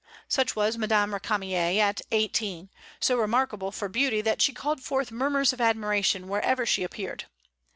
Such was Madame Récamier at eighteen, so remarkable for beauty that she called forth murmurs of admiration wherever she appeared.